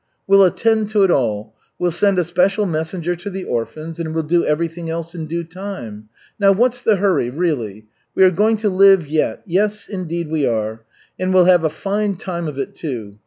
We'll attend to it all. We'll send a special messenger to the orphans and we'll do everything else in due time. Now, what's the hurry, really? We are going to live yet, yes indeed we are. And we'll have a fine time of it, too.